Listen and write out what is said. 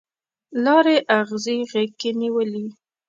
لارې اغزي غیږ کې نیولي